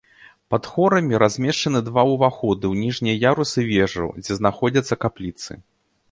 Пад хорамі размешчаны два ўваходы ў ніжнія ярусы вежаў, дзе знаходзяцца капліцы.